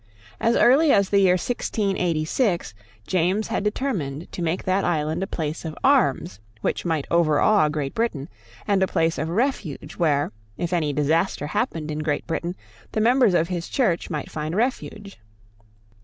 As early as the year 1686, James had determined to make that island a place of arms which might overawe Great Britain, and a place of refuge where, if any disaster happened in Great Britain, the members of his Church might find refuge.